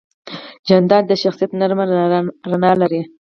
جانداد د شخصیت نرمه رڼا لري.